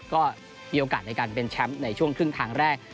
ก็มีโอกาสในการเป็นแชมป์ในช่วงครึ่งทางแรก